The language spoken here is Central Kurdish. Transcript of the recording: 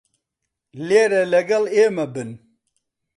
لێرە لەگەڵ ئێمە بن.